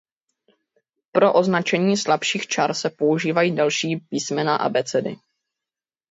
Pro označení slabších čar se používají další písmena abecedy.